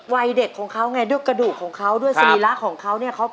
วัยเด็กของเขาไงด้วยกระดูกของเขาด้วยสรีระของเขาเนี่ย